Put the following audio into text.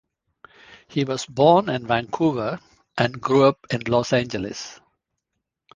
He was born in Vancouver and grew up in Los Angeles.